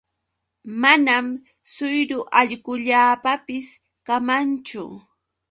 Manam suyru allqullaapapis kamanchu.